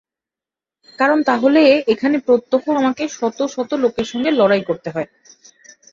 কারণ তাহলে এখানে প্রত্যহ আমাকে শত শত লোকের সঙ্গে লড়াই করতে হয়।